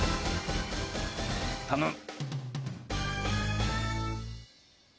頼む。